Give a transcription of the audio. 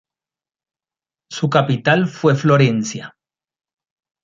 Su capital fue Florencia.